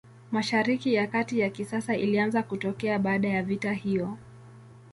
Mashariki ya Kati ya kisasa ilianza kutokea baada ya vita hiyo.